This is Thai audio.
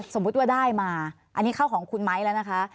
สมมุติว่าได้มาอันนี้เข้าของคุณไม้แล้วนะคะ